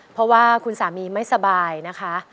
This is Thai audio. เพราะว่าคุณสามีไม่สบายนะคะ